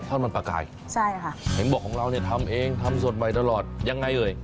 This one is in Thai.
ท่อนมันปลากายอย่างบอกของเราทำเองทำสดใบตลอดยังไง